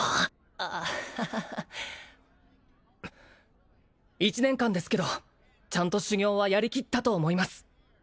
アハハ１年間ですけどちゃんと修行はやりきったと思います